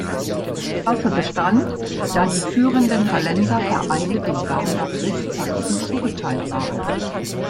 Klasse bestand, da die führenden Hallenser Vereine dem Gau Nordwestsachsen zugeteilt waren.